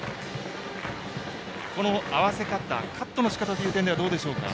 合わせ方、カットのしかたという点ではどうでしょうか。